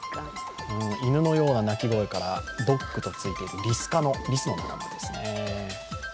犬のような鳴き声からドッグとついているリス科のリスの仲間です。